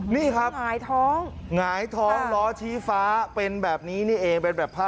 นี่ครับหงายท้องหงายท้องล้อชี้ฟ้าเป็นแบบนี้นี่เองเป็นแบบผ้า